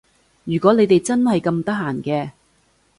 如果你哋真係咁得閒嘅